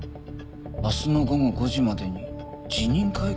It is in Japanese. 「明日の午後５時までに辞任会見を開け」